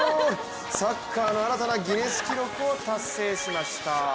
サッカーの新たなギネス記録を達成しました。